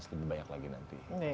lebih banyak lagi nanti